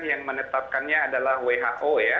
yang menetapkannya adalah who ya